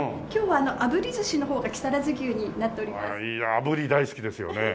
あぶり大好きですよね。